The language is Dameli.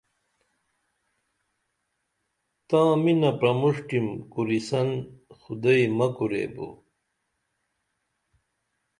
تاں مِنہ پرموݜٹیم کوریسن خُدئی مہ کوریبو